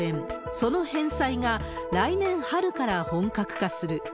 その返済が来年春から本格化する。